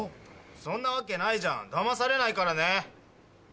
そんなわけないじゃんだまされないからね。